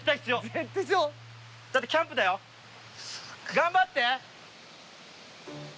頑張って。